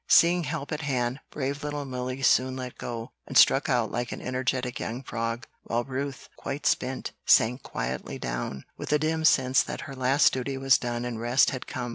Seeing help at hand, brave little Milly soon let go, and struck out like an energetic young frog, while Ruth, quite spent, sank quietly down, with a dim sense that her last duty was done and rest had come.